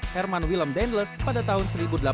herman willem dendles pada tahun seribu delapan ratus